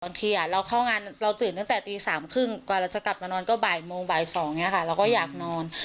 ตอนที่อ่ะเราเข้างานเราตื่นตั้งแต่ตีสามครึ่งก่อนเราจะกลับมานอนก็บ่ายโมงบ่ายสองเนี่ยค่ะเราก็อยากนอน